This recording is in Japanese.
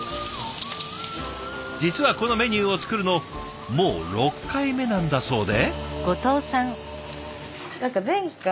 実はこのメニューを作るのもう６回目なんだそうで。